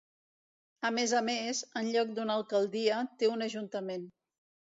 A més a més, en lloc d'una alcaldia té un ajuntament.